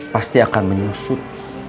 pasti akan menyusut